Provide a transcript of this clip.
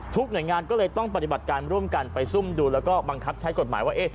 หน่วยงานก็เลยต้องปฏิบัติการร่วมกันไปซุ่มดูแล้วก็บังคับใช้กฎหมายว่า